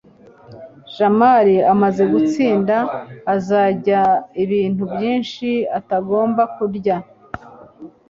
jamali amaze gusinda, azarya ibintu byinshi atagomba kurya